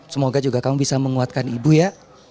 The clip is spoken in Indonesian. semoga juga kamu bisa menguatkan ibu ya